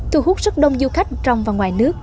thu hút rất đông du khách trong và ngoài nước